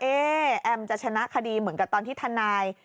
แอมจะชนะคดีเหมือนกับตอนที่ทนาย